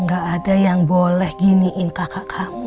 nggak ada yang boleh giniin kakak kamu ya